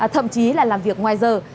thậm chí là làm việc ngoài giờ